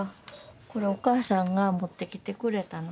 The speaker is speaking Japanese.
これお母さんが持ってきてくれたの。